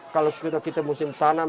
kalau kita musim tanam